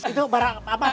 itu barang apa